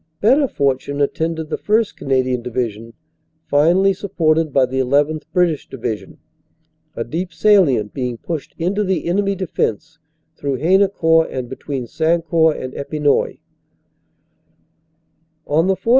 Better fortune attended the 1st. Canadian Division, finely supported by the llth. Brit ish Division, a deep salient being pushed into the enemy de fense through Haynecourt and between Sancourt and Epinoy. On the 4th.